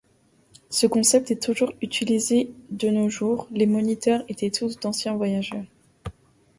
Ce concept est toujours utilisé de nos jours, les moniteurs étant tous d'anciens Voyageurs.